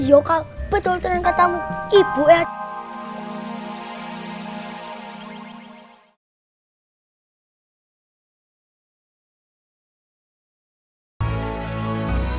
iya kak betul terus katamu ibu ya